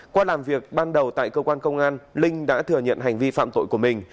qua làm việc ban đầu tại cơ quan công an linh đã thừa nhận hành vi phạm tội của mình